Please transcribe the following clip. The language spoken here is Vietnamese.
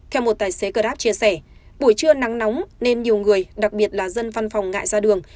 theo một tài xế grab chia sẻ buổi trưa nắng nóng nên nhiều người đặc biệt là dân văn phòng ngại ra đường